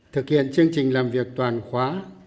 thực hiện chương trình làm việc toàn khóa